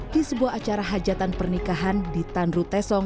di sebuah acara hajatan pernikahan di tanru tesong